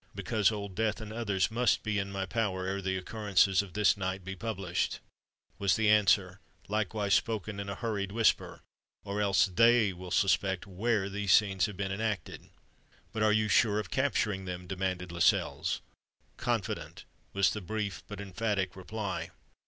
"Because Old Death and others must be in my power, ere the occurrences of this might be published," was the answer, likewise spoken in a hurried whisper; "or else they will suspect where these scenes have been enacted." "But are you sure of capturing them?" demanded Lascelles. "Confident," was the brief but emphatic reply.